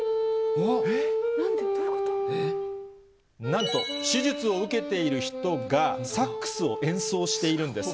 なんと、手術を受けている人が、サックスを演奏しているんです。